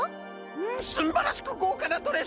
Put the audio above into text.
んっすんばらしくごうかなドレス！